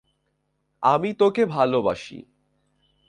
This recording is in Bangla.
আমি তোকে ভালোবাসি।